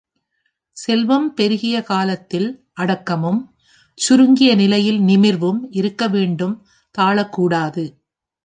செல்வம் பெருகிய காலத்தில் அடக்கமும், சுருங்கிய நிலையில் நிமிர்வும் இருக்க வேண்டும் தாழக்கூடாது.